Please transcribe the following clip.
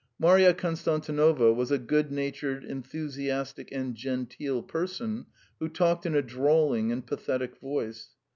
Marya Konstantinovna was a good natured, enthusiastic, and genteel person, who talked in a drawling and pathetic voice.